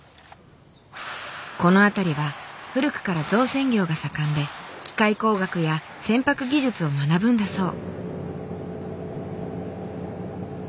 この辺りは古くから造船業が盛んで機械工学や船舶技術を学ぶんだそう。